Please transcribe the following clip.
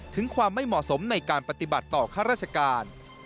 ถึงความไม่เหมาะสมในการปฏิบัติต่อข้าราชการ